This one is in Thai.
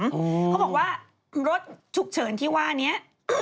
เขาบอกว่ารถฉุกเฉินที่ว่านี้